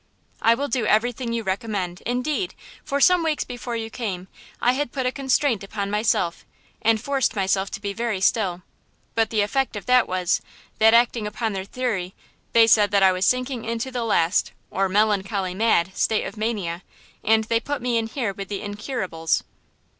"I will do everything you recommend; indeed, for some weeks before you came, I had put a constraint upon myself and forced myself to be very still; but the effect of that was, that acting upon their theory they said that I was sinking into the last or 'melancholy mad' state of mania, and they put me in here with the incurables."